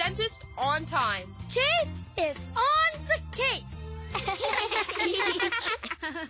アハハハ！